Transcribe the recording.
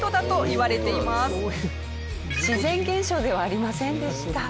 自然現象ではありませんでした。